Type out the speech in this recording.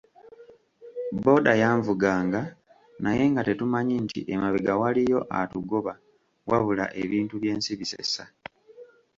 Bbooda yanvuganga naye nga tetumanyi nti emabega waliyo atugoba. Wabula ebintu by'ensi bisesa!